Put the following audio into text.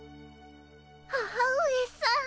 母上さん。